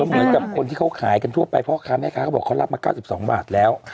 เหมือนกับคนที่เขาขายกันทั่วไปพ่อค้าแม่ค้าเขาบอกเขารับมา๙๒บาทแล้ว